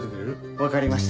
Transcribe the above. わかりました。